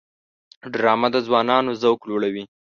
ډرامه د ځوانانو ذوق لوړوي